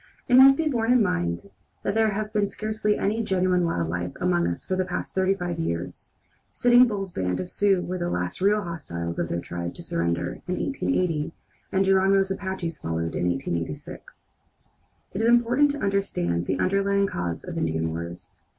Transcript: It must be borne in mind that there has been scarcely any genuine wild life among us for the past thirty five years. Sitting Bull's band of Sioux were the last real hostiles of their tribe to surrender, in 1880, and Geronimo's Apaches followed in 1886. It is important to understand the underlying causes of Indian wars.